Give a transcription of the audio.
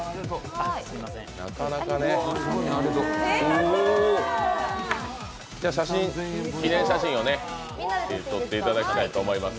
すごい！記念写真を撮っていただきたいと思います。